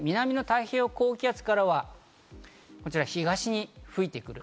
そして南の太平洋高気圧からは東に吹いてくる。